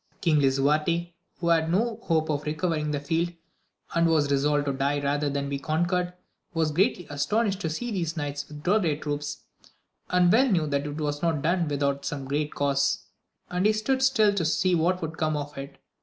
King Lisuarte, who had no hope of recovering the field, and was resolved to die rather than be conquered, was greatly astonished to see these knights withdraw their troops, and well knew that this was not done without some great cause, and he stood still to see what would come of it.